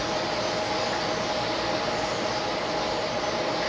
ต้องเติมเนี่ย